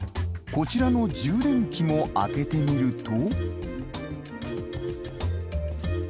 こちらの充電器も開けてみると。